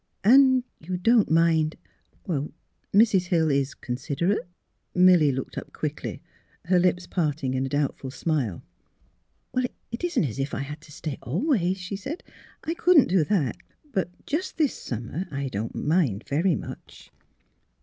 And you don't mind — Mrs. Hill is — consid erate! " Milly looked up quickly, her lips parting in a doubtful smile. *' It isn't as if I had to stay always," she said. " I couldn't do that. But just this summer I don't mind — ^very much."